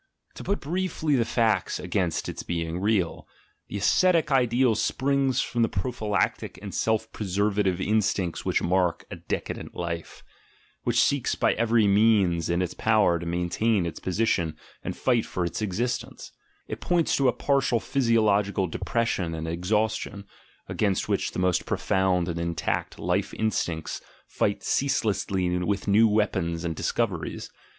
To put briefly the facts against its being real: the ascetic ideal springs from the prophylactic and self preservative in stincts which mark a decadent life, which seeks by every means in its power to maintain its position and fight for its existence; it points to a partial physiological depres sion and exhaustion, against which the most profound and intact life instincts fight ceaselessly with new weapons and discoveries.